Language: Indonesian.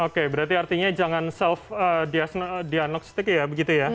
oke berarti artinya jangan self diagnostic ya begitu ya